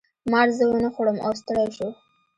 مار زه ونه خوړم او ستړی شو.